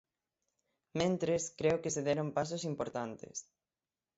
Mentres, creo que se deron pasos importantes.